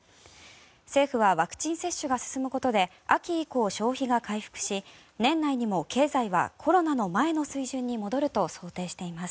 政府はワクチン接種が進むことで秋以降消費が回復し年内にも経済はコロナの前の水準に戻ると想定しています。